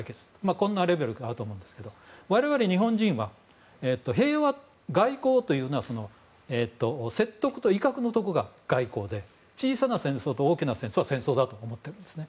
こんなレベルがあるんですが我々日本人は、外交というのは説得と威嚇のところが外交で小さな戦争と大きな戦争は戦争だと思ってるんですね。